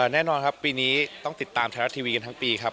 แน่นอนครับปีนี้ต้องติดตามไทยรัฐทีวีกันทั้งปีครับ